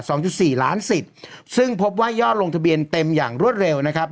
จุดสี่ล้านสิทธิ์ซึ่งพบว่ายอดลงทะเบียนเต็มอย่างรวดเร็วนะครับ